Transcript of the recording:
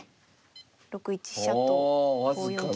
６一飛車と５四金。